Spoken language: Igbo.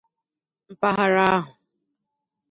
mpaghara ahụ